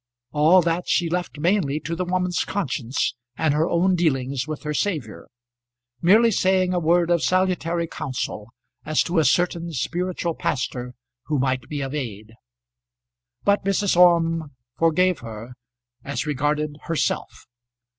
All that she left mainly to the woman's conscience and her own dealings with her Saviour, merely saying a word of salutary counsel as to a certain spiritual pastor who might be of aid. But Mrs. Orme forgave her, as regarded herself.